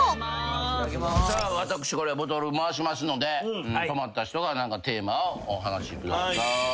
さあ私ボトル回しますので止まった人が何かテーマをお話しください。